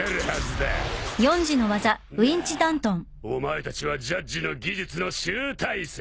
なあお前たちはジャッジの技術の集大成。